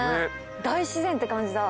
大自然って感じだ。